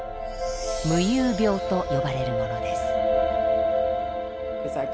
夢遊病と呼ばれるものです。